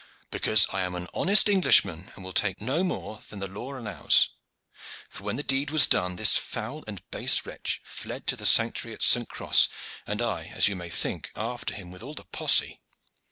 "Because I am an honest Englishman, and will take no more than the law allows. For when the deed was done this foul and base wretch fled to sanctuary at St. Cross, and I, as you may think, after him with all the posse.